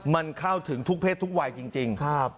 มันเข้าถึงทุกเพศทุกวัยจริง